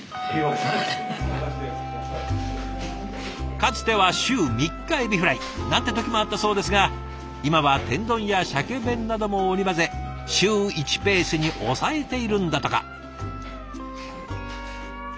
かつては週３日エビフライなんて時もあったそうですが今は天丼やシャケ弁なども織り交ぜ週１ペースに抑えているんだとか。